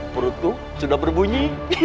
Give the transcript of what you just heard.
perutku sudah berbunyi